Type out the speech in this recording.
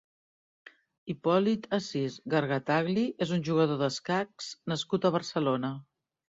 Hipòlit Asis Gargatagli és un jugador d'escacs nascut a Barcelona.